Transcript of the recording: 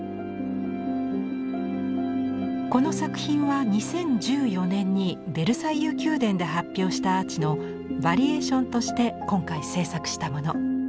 この作品は２０１４年にベルサイユ宮殿で発表したアーチのバリエーションとして今回制作したもの。